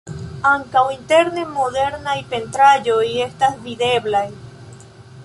Ankaŭ interne modernaj pentraĵoj estas videblaj.